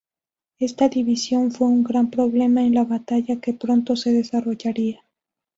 Esta división fue un gran problema en la batalla que pronto se desarrollaría.